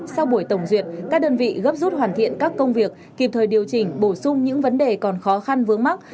sau buổi tổng duyệt các đơn vị gấp rút hoàn thiện các công việc kịp thời điều chỉnh bổ sung những vấn đề còn khó khăn vướng mắt